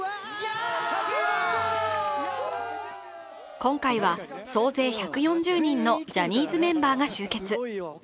今回は総勢１４０人のジャニーズメンバーが集結。